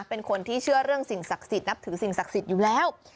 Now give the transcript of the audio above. เป็นคนที่เชื่อเรื่องสิ่งศักดิ์สิทธิ์นับถือสิ่งศักดิ์สิทธิ์อยู่แล้ว